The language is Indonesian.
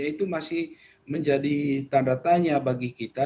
itu masih menjadi tanda tanya bagi kita